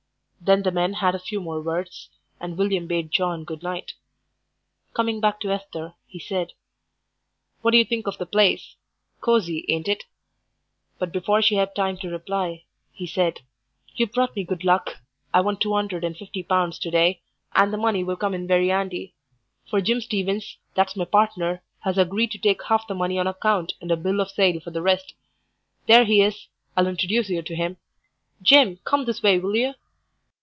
Then the men had a few more words, and William bade John good night. Coming back to Esther, he said "What do you think of the place? Cosy, ain't it?" But before she had time to reply he said, "You've brought me good luck. I won two 'undred and fifty pounds to day, and the money will come in very 'andy, for Jim Stevens, that's my partner, has agreed to take half the money on account and a bill of sale for the rest. There he is; I'll introduce you to him. Jim, come this way, will you?"